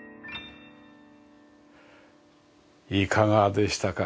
いかがでしたか？